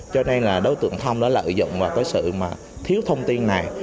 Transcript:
cho nên là đối tượng thông đã lợi dụng vào cái sự mà thiếu thông tin này